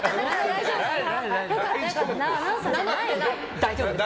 大丈夫です！